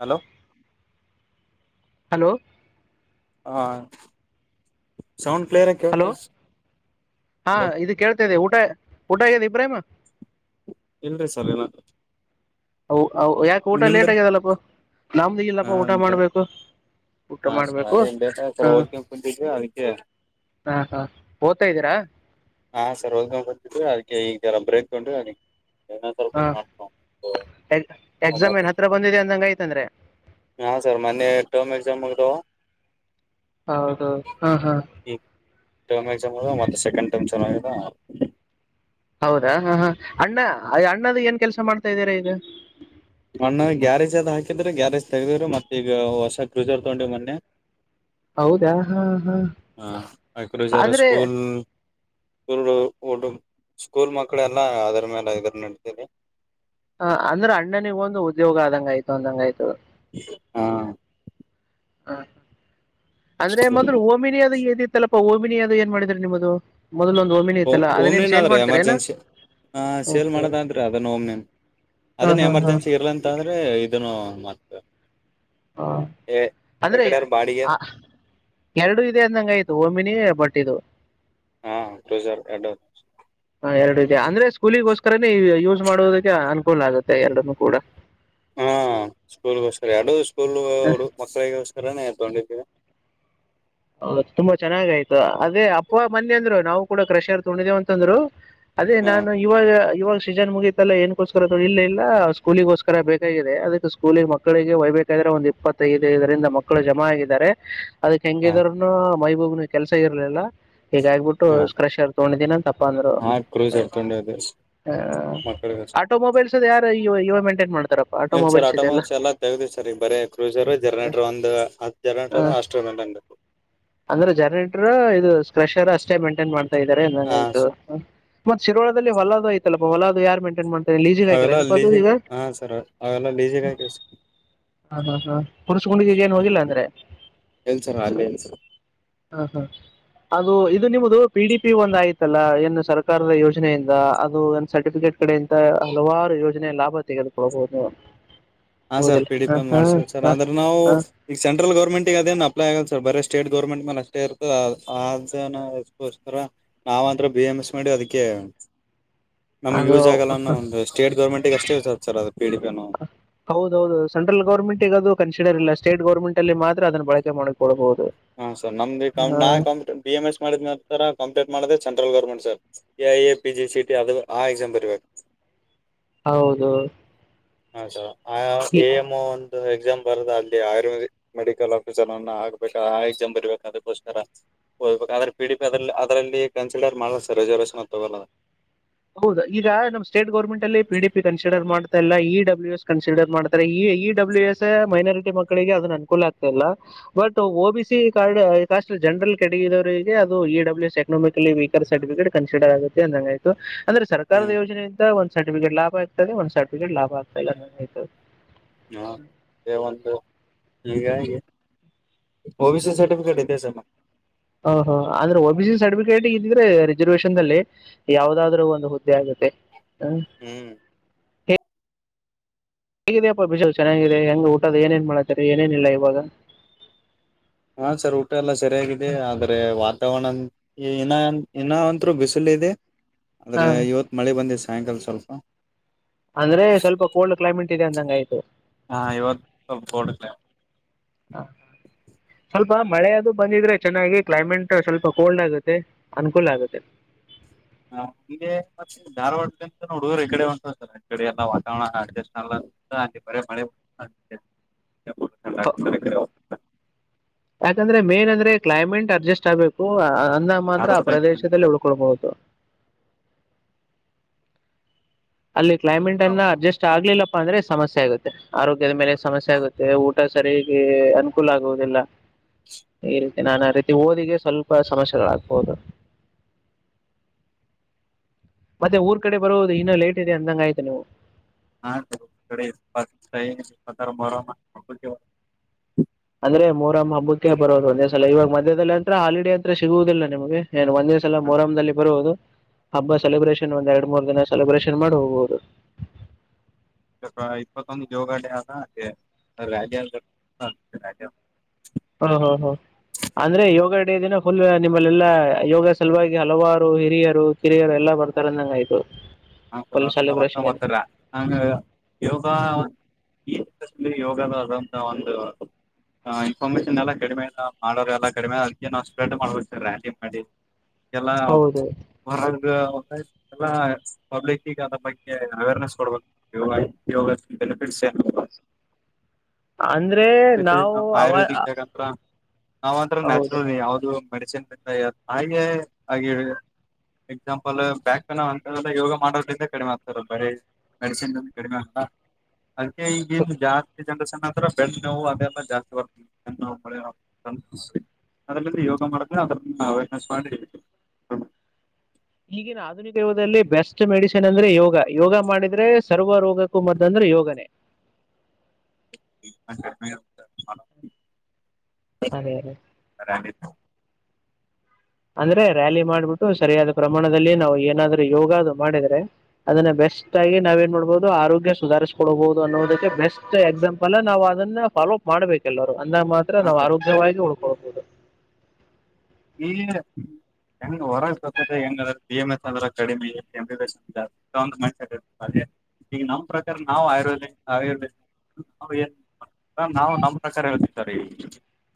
Hello hello ಹಾ sound hello ಹಾ hello ಇದು ಕೇಳ್ತದೆ ಊಟ ಊ ಊಟಾಗ ದ ಪ್ರ್ರೇಮ ಎಲ್ಲ್ರ ಸಲನಾ ಹ ಯಾಕ ಊಟ ಲೇಟ್ ಆಗ್ಯದಲ್ಲಪ್ಪ ನಮ್ದ ಇಲ್ಲಪ್ಪ ಹಾ ಊಟ ಮಾಡ್ಬೇಕು ಊಟ ಹಾ ಸರ್ ಮಾಡ್ಬೇಕು ಅದೇ ಬ ಸರ್ ಹ ಹದ್ಕ ಕುತಿದ್ವಿ ಅದಕ್ಕೆ ಹಾ ಹಾ ಓದ್ತಾ ಇದ್ದೀರಾ ಹ ಸರ್ ಹದ್ಕ ಕುತಿದ್ವಿ ಅದಕ್ಕೆ ಈ ತರ ಬ್ರೇಕ್ ತಗೊಂಡು ಹಾ ಎ ಎಕ್ಸಾಮ್ ಏನ್ ಒಂಬತ್ತು ಹತ್ರ ಬಂದಿದೆ ಅಂದಂಗ ಯ್ತಂದ್ರೆ ಮ ಹೌದು ಹಾ ಹಾ ಟರ್ಮ್ ಮತ್ತೆ ಸೆಕಂಡ್ ಟೈಮ ಚೆನ್ನಾಗ ಹೌದಾ ಹಾ ಹಾ ಅಣ್ಣ ಅಣ್ಣದ ಏನ್ ಕೆಲ್ಸ ಮಾಡ್ತಾ ಇದ್ದೀರಾ ಈಗ ಮಣ್ಣ ಗ್ಯಾರೇಜ್ ಅದ್ ಹಾಕಿದ್ರೆ ಗ್ಯಾರೇಜ್ ತೆಗ್ದವ್ರೀ ಮತ್ತ ಈಗ ಹೊಸ ಕ್ರೂಸರ್ ತಗೊಂಡಿವ ಮೊನ್ನೆ ಹೌದಾ ಹಾ ಹಾ ಹ ಆಕಜಾರ ಅಂದ್ರೆ ಸ್ಕೂಲ್ ಸ್ಕೂ ಒಡು ಸ್ಕೂಲ್ ಮಕ್ಳ ಎಲ್ಲಾ ಅದರ ಮೇಲೆ ಇದ್ರ ನಡತರಿ ಹ ಅಂದ್ರೆ ಅಣ್ಣನಿಗ ಒಂದು ಉದ್ಯೋಗ ಆದಂಗ ಆಯ್ತು ಅಂದಂಗ ಆಯ್ತು ಹಾ [inaudible] ಹಾ ಅಂದ್ರೆ ಮೊದ್ಲು ಓಮಿನಿ ಅದು ಏದ ಇತ್ತಲ್ಲಪ್ಪಾ ಓಬಿನಿ ಅದು ಏನ್ ಮಾಡಿದ್ರಾರೆ ನಿಮ್ಮ್ದದು ಓಮ್ನೇನ ಆದ್ರೆ ಎಮರ್ಜೆನ್ಸಿ ಹ ಸೇಲ್ ಓಕೆ ಮಾಡೋದಾದ್ರೆ ಅದನ್ನ ಓಮ್ನೇನ್ ಹಾ ಅದನ್ನ ಹಾ ಹಾ ಎಮರ್ಜೆನ್ಸಿ ಇರಲಂತಂದ್ರೆ ಇದನ್ನು ಮತ್ತ ಹ ಎ ಅಂದ್ರೆ ಎಕಡೆರ ಬಾಡಿಗೆ ಆ ಎರಡು ಇದೆ ಅಂದಂಗ ಆಯ್ತು ಓಮಿನಿ ಬಟ್ಟಿದದು ಹಾ ಕ್ರೂಸರ್ ಎರಡು ಹ ಎರಡು ಇದ ಅಂದ್ರೆ ಸ್ಕೂಲಿಗೋಸ್ಕರ ಅ ಯೂಸ್ ಮಾಡುವದಕ್ಕೆ ಅನುಕೂಲ ಆಗುತ್ತೆ ಎರಡನ್ನು ಕೂಡ ಹಾ ಸ್ಕೂಲ್ ಗೋಸ್ಕರ ಎರಡ ಸ್ಕೂ ಸ್ಕೂಲ್ ಹ, ಹುಡುಗರು ಮಕ್ಕಳಿಗೋಸ್ಕರನೇ ಇಕೊಂಡಿದ್ದೀವಿ ಹೌ ತುಂಬಾ ಚೆನ್ನಾಗಯ್ತು ಅದೇ ಅಪ್ಪ ಮನ್ನಿ ಅಂದ್ರು ನಾವು ಕೂಡ ಕ್ರಷರ್ ತೊಂಡಿದೇವ ಅಂತಂದ್ರು ಅದೇ ಹಾ ನಾನು ಇವಾಗ ಇವಾಗ ಸೀಜನ್ ಮುಗಿತಲ್ಲ ಏನ್ಕೋಸ್ಕರ ಇಲ್ಲ ಇಲ್ಲ ಸ್ಕೂಲಿಗೋಸ್ಕರ ಬೇಕಾಗಿದೆ ಅದಕ್ಕೆ ಸ್ಕೂಲಿ ಮಕ್ಕಳಿಗೆ ವಯ್ಬೇಕಾದ್ರೆ ಒಂದ್ ಇಪ್ಪತ್ತೈದ ಐದರಿಂದ ಮಕ್ಕಳು ಜಮ ಆಗಿದ್ದಾರೆ ಅದಕ್ ಹೆಂಗಿದ್ರರು ಹಾ ಮೈಬೂಬನ ಕೆಲಸ ಇರ್ಲಿಲ್ಲಾ ಹಗ ಆಗ್ಬಿಟ್ಟು ಹಾ ಸ್ಕ್ರಶ್ ಯಾರ ತಗೊಂಡಿದೀನ ಅಂತಪ್ಪ ಅಂದ್ರು ಹಾ ಹ ಕ್ರೂಸರ್ ತಗೊಂಡಿದ್ದೆ ಹ ಮಕ್ಕಳಿಗೋಸ್ಕರ ಆಟೋ ಮೊಬೈಲ್ಸ್ ಅದ ಯಾರು ಇವಾಗ ಮೇಂಟೈನ್ ಮಾಡ್ತಾರಪ್ಪ ಆಟೋ ಏನ್ ಸರ್ ಮೊಬೈಲ್ಸ್ ಇದೆಲ್ಲ ಆಟೋಮೊಬೈಲ್ಸ್ ಎಲ್ಲಾ ತೆಗ್ದಿವಿ ಸರ್ ಈಗ ಬರೇ ಕ್ರೂಸರ್ ಹ ಜನರೇಟರ್ ಒಂದ್ ಹತ್ ಜನರೇಟರ್ ಅದ ಹ ಅಷ್ಟು ಮೇಂಟೈನ್ ಅಂದ್ರೆ ಜರ್ಟರು ಇದು ಪ್ರೆಷರ್ ಅಷ್ಟೇ ಮೇಂಟೈನ್ ಮಾಡು. ಇದಾರೆ ನಂಗ ಹಾ ಆಯ್ತು ಹ. ಮತ್ ಶಿರಳದಲ್ಲಿ ಹೊಲದು ಆಯಿತಲ್ಲಪ್ಪ ಹೊಲದು ಯಾರ್ ಮೈಂಟೈನ್ ಮಾಡತಾರೆ. ಅವೇಲ್ಲ ಲೀಜೇ ಹಾ ಸರ್ ಆವೆಲ್ಲ ಲಿಸಿದ್ದೀವಿ ಸರ್ ಹುಣಸಗುಂಡಿಗೆ ಏನ್ ಹೋಗಿಲ್ಲ ಅಂದ್ರೆ ಎಲ್ಲಾ ಸರ್ ಅರ್. ಹಾ ಹಾ ಅದು ಇದು ನಿಮ್ಮದು ಪಿ ಡಿ ಪಿ ಒಂದು ಆಯ್ತಲ್ಲ ಏನ್ ಸರ್ಕಾರದ ಯೋಜನೆಯಿಂದ ಅದು ಏನ್ ಸರ್ಟಿಫಿಕೇಟ್ ಕಡೆಯಂತ ಹಲವಾರು ಯೋಜನೆಯ ಲಾಭ ತೆಗೆದುಕೊಳ್ಬಹುದು. ಹಾ ಸರ್ ಹೌದಿಲ್ಲ ಪಿ ಡಿ ಪಿ ಹ, ಒ್ ಹ, ಮಾಡ್ಸಬೇಕು ಸರ್ ಹ, ಅಂದ್ರ್ ನಾವು ಹ. ಈಗ ಸೆಂಟ್ರಲ್ ಗೌರ್ಮೆಂಟಿಗೆ ಅದೇನು ಅಪ್ಲೈ ಆಗಲ್ಲ ಸರ್ ಬರೇ. ಸ್ಟೇಟ್ ಗೌರ್ಮೆಂಟ್ ಮೇಲೇ ಅಷ್ಟೇ ಇರುತ್ತೆ ಅದೇನೋ ಅದುಕೋಸ್ಕರ ನಾವ್ಂದ್ರ ಬಿ ಎಮ್ ಎಸ್ ಮಾಡಿ ಅದಕ್ಕೆ. ನಮ್ಗೆ ಅದು ಯೂಸ್ ಆಗಲ್ಲಾನ ಒಂದು ಸ್ಟೇಟ್ ಗೌರ್ಮೆಂಟ್ಗೆ ಅಷ್ಟೇ ಯೂಸ್ ಆಗುತ್ತೇ ಸರ್ ಅದು ಪಿ ಡಿ ಪಿ ನೂ. ಹೌದೌದು ಸೆಂಟ್ರಲ್ ಗೌರ್ಮೆಂಟ್ ಗೆ ಅದು ಕನ್ಸಿಡರ್ ಇಲ್ಲ ಸ್ಟೇಟ್ ಗೌರ್ಮೆಂಟ್ ಅಲ್ಲಿ ಮಾತ್ರ ಅದನ್ನ ಬಳಕೆ ಮಾಡಿಕೊಡಬಹುದು. ಹಾ ಸರ್ ನಮ್ದಿಾ ನಾ ಬಿ ಎಂ ಎಸ್ ಮಾಡಿದ್ ನಂತರ ಕಂಪ್ಲೀಟ್ ಮಾಡ್ದ. Central government sir A I A P G C T ಅದು ಆ ಎಕ್ಸಾಮ ಬರೀಬೇಕು. ಹೌದು. ಹ ಸ. ಅ ಎಮನ್. ಅದು ಎಕ್ಸಾಮ್ ಬರ್ದ ಅಲ್ಲಿ ಆಯುರ್ವೇದಿಕ್ ಮೆಡಿಕಲ್ ಆಫೀಸರ್ ಅನ್ನ ಹಾಗ್ಬೇಕು ಆ ಎಕ್ಸಾಮ್ ಬರಿಬೇಕು ಅದಕ್ಕೋಸ್ಕರ ಹೋಗ್ಬೇಕು ಆದ್ರೇ ಪಿ ಡಿ ಪಿ ಅದ್ರಲ್ಲಿ ಅದ್ರಲ್ಲಿ ಕನ್ಸಿಡರ್ ಮಾಡಲ್ಲಾ ಸರ್ ರಿಸರ್ವೆಷನ್ ತಗೋಲ್ಲ. ಹೌದು ಈಗ ನಮ್ ಸ್ಟೇಟ್ ಗೌರ್ಮೆಂಟ್ ಅಲ್ಲಿ ಪಿ ಡಿ ಪಿ ಕನ್ಸಿಡರ್ ಮಾಡ್. ಮಾಡ್ತಿಲ್ಲ ಇ ಡಬ್ಲ್ಯೂ ಎಸ್ ಕನ್ಸಿಡರ್ ಮಾಡ್ತಾರೆ ಈ ಇ ಡಬ್ಲ್ಯೂ ಎಸ್ ಮೈನಾರಿಟಿ ಮಕ್ಕಳಿಗೆ ಅದೇನ್ ಅನುಕೂಲ ಆಗ್ತ ಇಲ್ಲ but O B C card general ಕ್ಯಾಟಗಿರಿದವರಿಗೆ ಅದು E W S economically weaker certificate consider ಆಗುತ್ತೆ ಅಂದಂಗಾಯ್ತ್. ಆಗುತ್ತೆ. ಅಂದ್ರೆ ಸರ್ಕಾರದ ಹ್ಮ್ ಯೋಜನೆಯಿಂದ ಒಂದು. ಒಂದು ಸರ್ಟಿಫಿಕೇಟ್ ಲಾಭ ಆತದೆ ಒಂದು ಸಿರ್ಟಿಫಿಕೇಟ್ ಲಾಭ ಆಗಲ್ಲ. ಹಾ ಸವಂತ ಹೀಗೆ ಒ ಬಿ ಸಿ ಸರ್ಟಿಫಿಕೇಟ್ ಇದೆ ನಮ್ಮ್ ಹತ್ರಾ. ಹ ಹಾ ಅಂದ್ರೆ ಒ ಬಿ ಸಿ ಸರ್ಟಿಫಿಕೇಟ್ ಇದ್ರೆ ರಿಸರ್ವೇಸೈನ್ ದಲ್ಲಿ ಯಾವದಾದ್ರು ಒಂದು ಹುದ್ದೆ ಆಗುತ್ತೆ. ಹ್ಮ್. ಹೇಗಿದಪ್ಪ ಬೀಜಲು ಚೆನ್ನಾಗಿದೆ ಹೆಂಗೂ ಊಟದ ಏನೇನ್ ಮಾಡ್ತಾರೆ ಏನೇನಿಲ್ಲ ಇವಾಗ. ಹ ಸರ್ ಊಟ ಎಲ್ಲ ಸರಿಯಾಗಿದೆ ಆದ್ರೆ ವಾತಾವರಣ ಇ ಇನ್ನ ಅಂತ್ರು ಬಿಸಿಲು ಇದೆ. ಹ ಆದ್ರೆ ಇವತ್ ಮಳೆ ಬಂದಿದೆ ಸಾಯಂಕಾಲ. ಸ್ವಲ್ಪ. ಅಂದ್ರೆ ಸ್ವಲ್ಪ ಕೋಲ್ಡ್ ಕ್ಲೈಮೇಟ್ ಇದೆ ಅಂದಂಗ ಆಯ್ತು. ಹಾ ಇವತ್ ಸ್ವಲ್ಪ ಹಾ ಹಾ ಸ್ವಲ್ಪ ಮಳೆ ಅದು ಬಂದಿದ್ರೆ ಚೆನ್ನಾಗಿ ಕ್ಲೈಮೇಟ್ ಸ್ವಲ್ಪ ಕೋಲ್ಡ್ ಆಗುತ್ತೆ ಅನುಕೂಲ ಆಗುತ್ತೆ. ಹಾ ಇದೆ ಮತ್ತೆ ಧಾರವಾಡಂತ ನೋಡ್ರೆ ಈ ಕಡೆ ಉಂಟು ಕಡೆ ಎಲ್ಲ ವಾತಾವರಣ ಅಸ್ಟ್ ಅಲ್ಲಿ ಬರೀ ಮಳೆ ಮಳೆ. [inaudible] ಯಾಕಂದ್ರೆ ಮೇನ್ ಅಂದ್ರೆ ಕ್ಲೈಮೇಟ್ ಅಡ್ಜಸ್ಟ್ ಆಗ್ಬೇಕು. ಇದ್ದಾಗ ಮಾತ್ರ ಆ ಪ್ರದೇಶದಲ್ಲಿ ಉಳ್ಕೊಳ್ಬಹುದು. ಅಲ್ಲಿ ಕ್ಲೈಮೇಟ್ ಅನ್ನ ಅಡ್ಜಸ್ಟ್ ಆಗ್ಲಿಲ್ಲ. ಅಂದ್ರೆ ಸಮಸ್ಯೆ ಆಗುತ್ತೆ ಆರೋಗ್ಯದ ಮೇಲೆ ಸಮಸ್ಯೆ ಆಗುತ್ತೆ, ಊಟ ಸರಿಯಾಗಿ ಅನುಕೂಲ ಆಗುವುದಿಲ್ಲ ಈ ರೀತಿ ನಾನು ಆ ರೀತಿ ಓದಿಗೆ ಸ್ವಲ್ಪ ಸಮಸ್ಯೆಗಳಾಗಬಹುದು ಮತ್ತೆ ಊರ್ ಕಡೆ ಬರುವುದು ಇನ್ನ ಲೇಟ್ ಇದೆ ಅಂದಂಗ ಆಯ್ತು ನೀವು ಆತ್ ಕಡೆ ಇರಬಾರದು ಮ ಅಂದ್ರೆ ಮೂರಮ್ಮ ಹಬ್ಬಕ್ಕೆ ಬರೋದು ಒಂದೇ ಸಲ ಇವಾಗ ಮತ್ತೆ ಇದರಲ್ಲಿ ಅಂದ್ರೆ ಹಾಲಿಡೇ ಅಂದ್ರೆ ಸಿಗುವುದಿಲ್ಲ ನಿಮಗೆ ಏನ್ ಒಂದೇ ಸಲ ಮೊಹರಂಗೆ ಬರುವುದ ನೀವು ಹಬ್ಬ ಸೆಲೆಬ್ರೇಷನ್ ಒಂದ್ ಎರಡ್ ಮೂರ್ ದಿನ ಸೆಲೆಬ್ರೇಷನ್ ಮಾಡಿಹೋಗೋದು ಇವಾಗ ಇಪ್ಪತ್ತೊಂದು ಯೋಗ ಡೇ ಆತ ಅ ಹ ಹ ಹ ಅಂದ್ರೆ ಯೋಗ ಡೇ ದಿನ ಫುಲ್ ನಿಮ್ಮಲೆೆಲ್ಲಾ ಯೋಗ ಸಲುವಾಗಿ ಹಲವಾರು ಹಿರಿಯರು ಕಿರಿಯರು ಎಲ್ಲಾ ಬರ್ತಾರಂದಂಗ ಆಯ್ತು ಒಂಥರಾ ಒಂಥರಾ ಹ... ತರ ಯೋಗ ಈದಲ್ಲಿ ಯೋಗದ ಆದಂತ ಒಂದು ಇನ್ಫಾರ್ಮೇಶನ್ ಎಲ್ಲ ಕಡಿಮೆ ಮಾಡೋರು ಕಡಿಮೆ ಅದಕ್ಕೆ ನಾವು ಸ್ಪ್ರೆಡ್ ಮಾಡಬೇಕು ಸರ್ ಎಂಡಿ ಮಾಡಿ ಎಲ್ಲ ಹೌದು ಒಂದು ಹೊರ ಎಲ್ಲಾ.... ಪಬ್ಲಿಕ್ ಗೆ ಆದ್ರ ಬಗ್ಗೆ ಅವೇರ್ನೆಸ್ ಕೊಡ್ಬೇಕ ಯೋಗ ಯೋಗದ ಬೆನಿಫಿಟ್ಸ್ ಏನು ಹ... ನ್ ಆಯುರ್ವೇದಿಕ್ ಅಂದ್ರೆ ನಾವಂತ್ರು ಹೌದು ನ್ಯಾಚುರಲ್ ರಿ ಯಾವುದು ಮೆಡಿಸಿನ್ ಹಾಗೆ ಹಾಗ ಎಕ್ಸಾಂಪಲ್ ಬ್ಯಾಕ್ ಪೈನ್ ನಾವ್ ಅಂದುಕೋ ಯೋಗ ಮಾಡೋದ್ರಿಂದ ಕಡಿಮೆ ಆಗ್ತಾರೆ ಬರೇ ಮೆಡಿಸಿನ್ ಕಡಿಮೇ ಆಗ್ತ ಅದಕ್ಕೆ ಈಗಿ ಜಾಸ್ತಿ ಜನರೇಶನ್ ಅಂತ್ರು ಬೆ ನೋವು ಅದೆಲ್ಲ ಜಾಸ್ತಿ ಬರುತ್ತೆ ಹಂಗೆ ನೋಡ್ಕೊಳಿ ಆದ್ರ ಇಂದ ಯೋಗ ಮಾಡದ್ರಿಂದ ಅದ್ರ ಅವರ್ನೆಸ್ ಮಾಡಿ ಈಗಿನ ಆಧುನಿಕ ಯಗದಲ್ಲಿ ಬೆಸ್ಟ್ ಮೆಡಿಸಿನ್ ಅಂದ್ರೆ ಯೋಗ. ಯೋಗ ಮಾಡಿದ್ರೆ ಸರ್ವ ರೋಗಕ್ಕೂ ಮದ್ದು ಅಂದ್ರೆ ಯೋಗನೇ ಅಂದ್ರೆ... ಹ ಅದೇ ಅದೇ ಅಂದ್ರೆ ರ‍್ಯಾಲಿ ಮಾಡ್ಬಿಟ್ಟು ಸರಿಯಾದ ಪ್ರಮಾಣದಲ್ಲಿ ನಾವು ಏನಾದ್ರೂ ಯೋಗದು ಮಾಡಿದ್ರೆ ಅದನ್ನ ಬೆಸ್ಟ್ ಆಗಿ ನಾವ ಏನ್ ಮಾಡ್ಬಹುದು ಆರೋಗ್ಯ ಸುಧಾರಿಸಕೊಡಬಹುದು. ಅನ್ನೋದಕ್ಕೆ ಬೆಸ್ಟ್ ಎಕ್ಸಾಂಪಲ್ ನಾವ್ ಅದನ್ನ ಫಾಲೋ ಅಪ್ ಮಾಡ್ಬೇಕು ಎಲ್ಲರು ಅಂದಾಗ ಮಾತ್ರ ನಾವ್ ಆರೋಗ್ಯವಾಗಿ ಉಳಕೋ ಆ ಕೂ [unintelligible] ಈಗಿನ್ ಹೆಂಗ ಹೊರ ಸಾ ಹೆಂಗ ಆದರೆ ಬಿ ಎಂ ಎಸ್ ಅಂದ್ರೆ ಕಡಿಮೆ ಆಗಿತ್ತೇ ಎಂ ಬಿ ಬಿ ಎಸ್ ಜಾಸ್ತಿ ಅಂತ ಅಂದ್ರೆ ಈಗ ನಮ್ ಪ್ರಕಾರ ನಾವು ಆಯರ್ವದಿಕ್ ಆಯವೇದ ನಾವು ನಮ್ ಪ್ರಕಾರ ಹೇಳ್ತಿವಿ ಸರ್ ಈ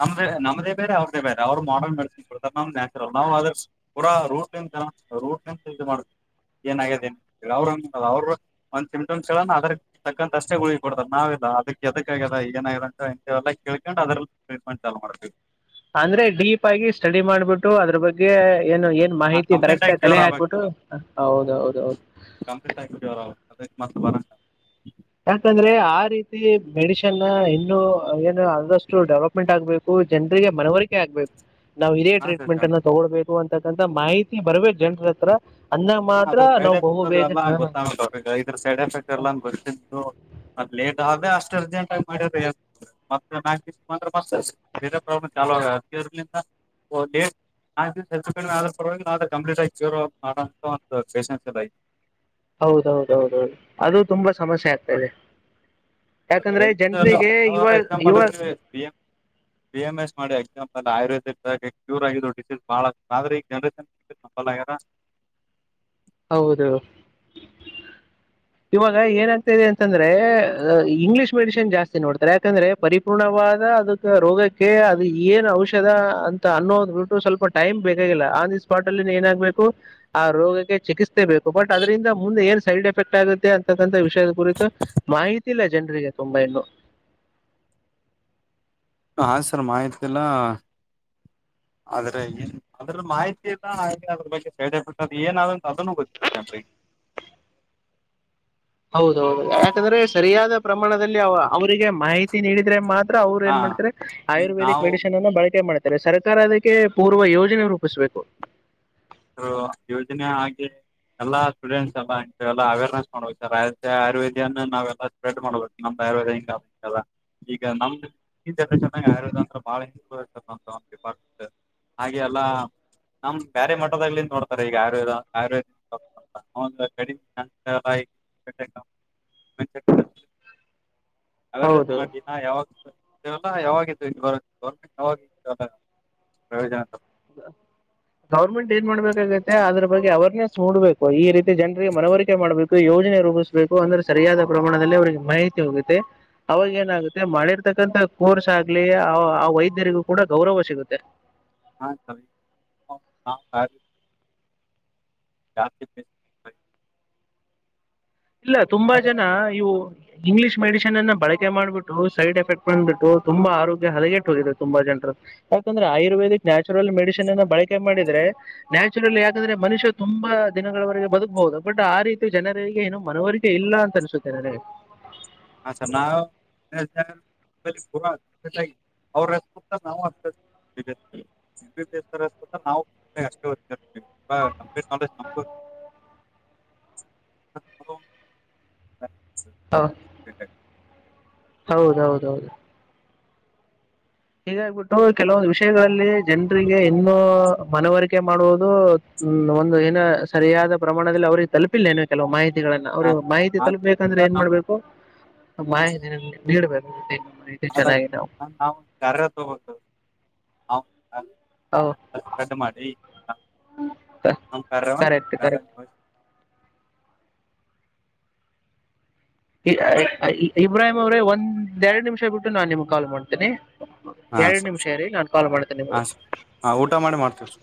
ನಮ ನಮ್ದೇ ಬೇರೆ ಅವ್ರದೇ ಬೇರೆ ಅವ್ರರು ಮಾಡನ್ ನತ ಕೊಡ್ತಾರೆ ನ್ಯಾಚುರಲ್ ನಾವು ಅದ್ರ ಪೂರ ರೂಟ್ ರೂಟ್ಂತ ಇ ಮಾಡ್ ಏನ್ ಆಗಿದೆ ಅವ್ರ ಒಂದ್ ಸಿಂಪ್ಟಮ್ಸ್ ಹೇಳಿದ್ರೆ ಅದ್ರ ತಕ್ಕಂತ ಅಷ್ಟೇ ಗುಳಿಗೆ ಕೊಡ್ತಾರೆ ನಾವ ಇಲ್ಲ ಅದಕ್ಕೆ ಎದಕ್ಕ ಆ್ಯದ ಏನ ಅಂತಲ್ಲ ಕೇಳ್ಕೊಂಡು ಅದ್ರಲ್ಲಿ ಟ್ರೀಟ್ಮೆಂಟ್ ಚಲೋ ಮಾಡ್ತೀವಿ ಅಂದ್ರೆ ಡೀಪ್ ಆಗಿ ಸ್ಟಡಿ ಮಾಡ್ಬಿಟ್ಟು ಅದ್ರ ಅದ್ರ ಬಗ್ಗೆ ಏನು ಏನ್ ಮಾಹಿತಿ ಕಂಪ್ಲೀಟ್ ಕರೆಕ್ಟ್ ಆಗ ಆಗಿ ಕಲೆ ಕ್ಯೂರ್ ಹಾಕ್ಬಿಟ್ಟು ಆಗ್ಬೇಕು ಹೌದೌದ ಹೌದು ಅದಕ್ಕೆ ಮತ್ತೆ ಬರಲ್ಲ ಯಾಕಂದ್ರೆ ಆ ರೀತಿ ಮೆಡಿಸಿನ್ ಇನ್ನು ಏನು ಆದಷ್ಟು ಡೆವಲಪ್ಮೆಂಟ್ ಆಗ್ಬೇಕು ಜನರಿಗೆ ಮನವರಿಕೆ ಆಗ್ಬೇಕು ನಾವು ಇದೇ ಹಾ ಸರ್ ಜನ್ರು ಟ್ರೀಟ್ಮೆಂಟ್ಅನ್ನು ತಗೊಬೇಕು ಅನ್ನೋ ತಕ್ಕಂಥ ಮಾಹಿತಿ ಬರ್ಬೇಕು ಜನರ ಹತ್ರ ಅಂದಾಗ ಹಾ ಮಾತ್ರ ಅದ್ರ ಸೈಡ್ ನಾವು ಬಹು ಎಫೆಕ್ಟ್ ಬೇಗ ಎಲ್ಲಾ ಹಾ ಗೊತ್ತಾಗಬೇಕು ಇದ್ರ ಸೈಡ್ ಎಫೆಕ್ಟ್ ಎಲ್ಲಾನು ಗೊತ್ತಿದ್ದು ಮ ಲೇಟ್ ಆದೆ ಅಷ್ಟ್ ಅರ್ಜೆಂಟ್ ಆಗಿ ಮಾಡರೆ ಮತ್ತೆ ನಾಲ್ಕು ದಿನಾ ಬಂದ್ರೆ ಮತ್ತತ್ ಬೇರೆ ಪ್ರಾಬ್ಲಮ್ ಚಲೋ ಆಗ್ತದ ಅದಕ್ಕೆ ಅದ್ರಲ್ಲಿ ಓ ಡೇಟ್ ನಾಲ್ಕು ದಿನ ಹೆಚ್ಚು ಕಡಿಮೆ ಆದ್ರೂ ಪರ್ವಾಗಿಲ್ಲ ಆದ್ರ ಕಂಪ್ಲೀಟ್ ಆಗಿ ಕ್ಯೂರ್ ಮಾಡಿನ ಷನ್ ಚೆಲ ಹೌದೌದೌದೌದು ಅದು ತುಂಬಾ ಸಮಸ್ಯೆ ಆಗ್ತದೆ ಎಕ್ಸಾಂಪಲ್ ಇವಾಗ ಬಿ ಎಂ ಎಸ್ ಮಾಡಿ ಎಕ್ಸಾಂಪಲ್ ಆಯುರ್ವೇದಿಕ್ಗ ಕ್ಯೂರ್ ಆಗಿದ್ದ ಡಿಸೀಸ್ ಬಾಳ ಆದ್ರೆ ಈಗ ಜನ್ರೇಷನ್ ನಲ್ ಆಗ್ಯಾರ ಹೌದು ಇವಾಗ ಏನಾಗ್ತಾದೆ ಅಂತಂದ್ರೆ ಇಂಗ್ಲಿಷ್ ಮೆಡಿಸಿನ್ ಜಾಸ್ತಿ ನೋಡ್ತಾರೆ ಯಾಕಂದ್ರೆ ಪರಿಪೂರ್ಣವಾದ ಅದಕ್ಕೆ ರೋಗಕ್ಕೆ ಅದು ಏನ್ ಔಷಧ ಅಂತ ಅನ್ನೋದು್ ಬಿಟ್ಟು ಸ್ವಲ್ಪ ಟೈಮ್ ಬೇಕಾಗಿಲ್ಲ ಆನ್ ದಿ ಸ್ಪಾಟ್ ಅಲ್ಲಿ ಏನಾಗ್ಬೇಕು ಆ ರೋಗಕ್ಕೆ ಚಿಕಿತ್ಸೆ ಬೇಕು ಬಟ್ ಅದರಿಂದ ಮುಂದೆ ಏನ್ ಸೈಡ್ ಎಫೆಕ್ಟ್ ಆಗುತ್ತೆ ಅಂತಕ್ಕಂತಥ ವಿಷಯದ ಕುರಿತು ಮಾಹಿತಿ ಇಲ್ಲ ಜನರಿಗೆ ತುಂಬಾ ಇನ್ನು ಹ ಸರ್ ಮಾಹಿತಿ ಇಲ್ಲ ಆದ್ರೆ ಏನ್ ಅದ್ರ ಮಾಹಿತಿ ಇಲ್ಲ ಹಾಗ ಅದ್ರ ಬಗ್ಗೆ ಸೈಡ್ ಎಫೆಕ್ಟ್ ಅ ಏನಾದಂತ ಅದನ್ನು ಗೊತ್ತಿಲ್ಲ ಜನರಿಗೆ ಹೌದೌದು ಯಾಕಂದ್ರೆ ಸರಿಯಾದ ಪ್ರಮಾಣದಲ್ಲಿ ಅವ ಅವರಿಗೆ ಮಾಹಿತಿ ನೀಡಿದ್ರೆ ಮಾತ್ರ ಅವ್ರು ಹಾ ಏನ್ ಮಾಡ್ತಾರೆ ಈಗ ಆಯುರ್ವೇದಿಕ್ ನಾವು ಮೆಡಿಸನ್ ಅನ್ನು ಬಳಕೆ ಮಾಡ್ತಾರೆ ಆದ ಸರ್ಕಾರ ಅದಕ್ಕೆ ಪೂರ್ವ ಯೋಜನೆ ರೂಪಿಸ್ಬೇಕು ಯೋಜನೆ ಆಗಿ ಎಲ್ಲಾ ಸ್ಟೂಡೆಂಟ್ಸ್ ಎಲ್ಲ ಎಲ್ಲ ಅವೇರ್ನೆಸ್ ಮಾಡ್ಬೇಕ ಸರ್ ಆಯುರ್ವೇದಿಯಾನ ನಾವ್ಲ್ಲ ಸ್ಪ್ರೆಡ್ ಮಾಡ್ಬೇಕ ನಮ್ದ ಆಯುರ್ಂಗ ಈಗ ನಮರನ್ ಆಯುರ್ವೇದ ಅಂದ್ರ ಬಳ ಡಿಪಾರ್ಟ್ಮೆಂಟ್ ಹಾಗೆಲ್ಲಾ ನಮ್ ಬೇರೆ ಮ ನೋಡ್ತಾರೆ ಈಗ ಆಯ ಆಯರ್ೇದ ಕಮೆ ಅವೇರ್ನೆಸ್ ಹೌದು ಮಾಡ್ತಿನ ಯಾವಾಗ ಲ್ಲ ಯಾವಾಗತ್ತು ಗರ್ಮೆಂಟ್ ಯಾವಾಗ ಪ್ರಯೋಜನ ಗೌರ್ಮೆಂಟ್ ಏನ್ ಮಾಡ್ಬೇಕಾಗತ್ತೆ ಅದ್ರ ಬಗ್ಗೆ ಅವೇರ್ನೆಸ್ ಮೂಡ್ಬೇಕು ಈ ರೀತಿ ಜನರಿಗೆ ಮನವರಿಕೆ ಮಾಡ್ಬೇಕು ಯೋಜನೆ ರೂಪಿಸ್ಬೇಕು ಅಂದ್ರೆ ಸರಿಯಾದ ಪ್ರಮಾಣದಲ್ಲಿ ಅವ್ರಿಗೆ ಮಾಹಿತಿ ಹೋಗುತ್ತೆ ಅವಾಗ ಏನಾಗುತ್ತೆ ಮಾಡಿರ್ತಕ್ಕಂತಥ ಕೋರ್ಸ್ ಆಗ್ಲಿ ಆ ಆ ವೈದ್ಯರಿಗೂ ಕೂಡ ಗೌರವ ಸಿಗುತ್ತೆ ಹಾ ಯ ಕ ಇಲ್ಲ ತುಂಬಾ ಜನ ಇವು ಇಂಗ್ಲಿೀಷ್ ಮೆಡಿಸನ್ ಅನ್ನ ಬಳಕೆ ಮಾಡ್ಬಿಟ್ಟು ಸೈಡ್ ಎಫೆಕ್ಟ್ ಬಂದ್ಬಿಟ್ಟು ತುಂಬಾ ಆರೋಗ್ಯ ಹದಗೆಟ್ಟು ಹೋಗಿದೆ ತುಂಬಾ ಜನರು ಯಾಕಂದ್ರೆ ಆಯುರ್ವೇದಿಕ್ ನ್ಯಾಚುರಲ್ ಮೆಡಿಸಿನ್ ಅನ್ನ ಬಳಕೆ ಮಾಡಿದ್ರೆ ನ್ಯಾಚುರಲ್ ಯಾಕಂದ್ರೆ ಮನುಷ್ಯ ತುಂಬಾ ದಿನಗಳವರೆಗೆ ಬದುಕ್ಬಹುದು ಬಟ್ ಆ ರೀತಿ ಜನರಿಗೆ ಏನು ಮನವರಿಕೆ ಇಲ್ಲ ಅಂತ ಅನ್ಸುತ್ತೆ ನನಗೆ ಹ ಸರ್ ನಾ ನಜ್ ಆ, ಹ ಹೌದೌದೌದು ಹೀಗಾಗಿಬಿಟ್ಟು ಕೆಲವೊಂದು ವಿಷಯಗಳಲ್ಲಿ ಜನರಿಗೆ ಇನ್ನೂ ಮನವರಿಕೆ ಮಾಡುವುದು ಹ ಒಂದು ಏನ ಸರಿಯಾದ ಪ್ರಮಾಣದಲ್ಲಿ ಅವಿಗೆ ತಲುಪಿಲ್ಲೇನು ಕೆಲವು ಮಾಹಿತಿ ಅವ್ರ ಹಾಂ ಮಾಹಿತಿ ಹಾಂ ತಲುಪಬೇಕಂದ್ರೆ ಏನ್ ನಮ್ಮ ಮಾಡ್ಬೇಕು ಮಾಯ ಬಿಡ್ಬೇಕೇು ಹೌದ ನಾ ಹ ಸ ಹಾ ಹೌ ಕಡ್ ಮಾಡಿ ಕರೆಕ್ಟ್ ಕರೆಕ್ಟ್ ಇಬ್ರಾಹಿಮ ಅವ್ರೇ ಒಂದ್ ಎರಡ್ ನಿಮಿಷ ಬಿಟ್ಟು ನಾನ್ ನಿಮಗೆ ಕಾಲ್ ಮಾಡ್ತೇನೆಿ ಹಾ ಎರಡ್ ಸರ್ ನಿಮಿಷ ರೀ ನಾು ಕಾಲ್ ಮಾಡ್ತೇನೆ ಹಾ ನಿಮಗೆ ಸರ್ ಹಾ ಊಟ ಮಾಡಿ ಮಾಡ್ತೀವಿ ಸರ್